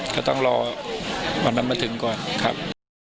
ก็ต้องรอวันนั้นมาถึงก่อนครับ